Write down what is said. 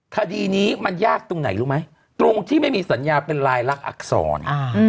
คดีนี้มันยากตรงไหนรู้ไหมตรงที่ไม่มีสัญญาเป็นลายลักษณอักษร